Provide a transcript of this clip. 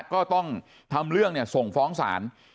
ก็ต้องทำเรื่องส่งฟ้องศาล